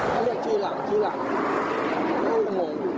เขาเลือกชื่อหลังชื่อหลัง